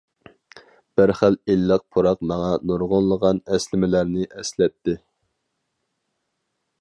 بىر خىل ئىللىق پۇراق ماڭا نۇرغۇنلىغان ئەسلىمىلەرنى ئەسلەتتى.